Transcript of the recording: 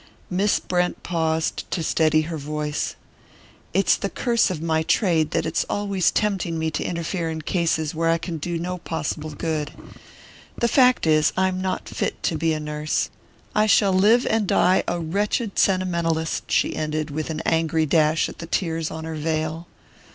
Miss Brent paused to steady her voice. "It's the curse of my trade that it's always tempting me to interfere in cases where I can do no possible good. The fact is, I'm not fit to be a nurse I shall live and die a wretched sentimentalist!" she ended, with an angry dash at the tears on her veil.